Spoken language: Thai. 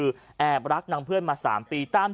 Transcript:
ชาวบ้านญาติโปรดแค้นไปดูภาพบรรยากาศขณะ